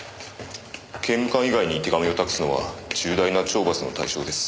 刑務官以外に手紙を託すのは重大な懲罰の対象です。